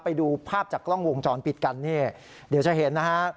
ไปดูภาพจากกล้องวงจรปิดกันนี่เดี๋ยวจะเห็นนะฮะ